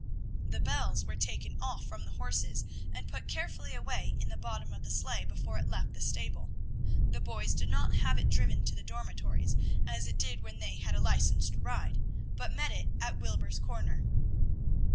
The bells were taken off from the horses and put carefully away in the bottom of the sleigh before it left the stable; the boys did not have it driven to the dormitories, as it did when they had a licensed ride, but met it at Wilbur's Corner.